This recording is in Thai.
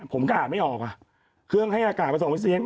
ผมก็อาจไม่ออกอ่ะเครื่องให้อากาศไปส่งออกซิเจน